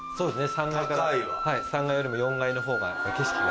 ３階よりも４階のほうが景色が。